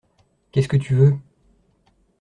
Qu’est-ce que tu veux ?